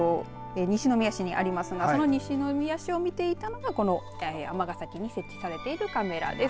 西宮市にありますがその西宮市を見ていたのがこの尼崎に設置されているカメラです。